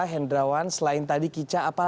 hendrawan selain tadi kicak apakah